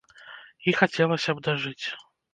І хацелася б дажыць.